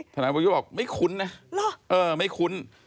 ธนายบอกไม่คุ้นนะไม่คุ้น